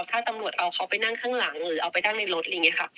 ถ้าตำรวจเอาเขาไปนั่งข้างหลังหรือเอาไปนั่งในรถอะไรอย่างนี้ค่ะ